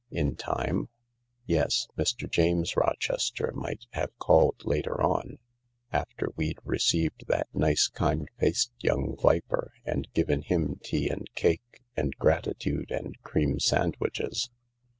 " In time ?"" Yes. Mr. James Rochester might have called later on, after we'd received that nice, kind faced young viper and given him tea and cake and gratitude and cream sandwiches.